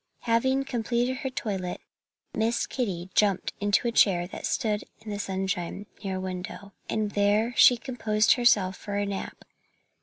Having completed her toilet Miss Kitty jumped into a chair that stood in the sunshine, near a window. And there she composed herself for a nap.